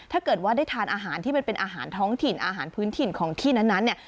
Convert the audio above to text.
ถ้าเกิดว่าได้ทานอาหารที่มันเป็นอาหารท้องถิ่นอาหารพื้นถิ่นของที่นั้นเนี่ย